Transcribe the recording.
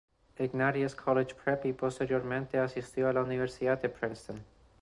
Ignatius College Prep, y posteriormente asistió a la Universidad de Princeton.